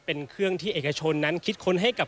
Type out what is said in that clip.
เป็นเครื่องที่เอกชนนั้นคิดค้นให้กับ